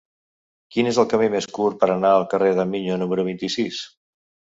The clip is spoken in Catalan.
Quin és el camí més curt per anar al carrer del Miño número vint-i-sis?